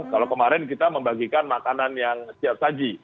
kalau kemarin kita membagikan makanan yang siap saji